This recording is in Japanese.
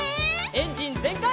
エンジンぜんかい！